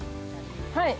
はい。